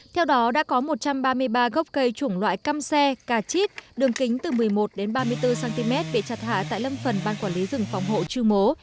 theo đó đã có một trăm ba mươi ba gốc cây chủng loại cam xe cà chít đường kính từ một mươi một đến ba mươi bốn cm bị chặt hạ tại lâm phần ban quản lý rừng phòng hộ trư mố